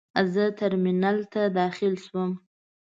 زه ترمینل ته داخل شوم.